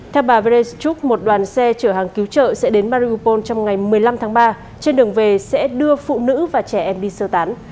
theo bà brentrup một đoàn xe chở hàng cứu trợ sẽ đến marupol trong ngày một mươi năm tháng ba trên đường về sẽ đưa phụ nữ và trẻ em đi sơ tán